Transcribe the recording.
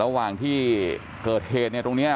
ระหว่างที่เกิดเหตุตรงนี้